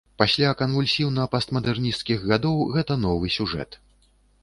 Пасля канвульсіўна-постмадэрнісцкіх гадоў гэта новы сюжэт.